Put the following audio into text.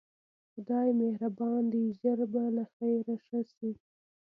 خدای مهربان دی ژر به له خیره ښه شې.